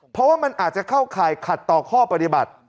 เพราะว่ามันอาจจะเข้าข่ายขัดต่อข้อปฏิบัติ